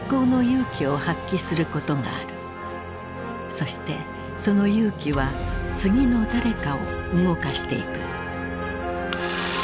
そしてその勇気は次の誰かを動かしていく。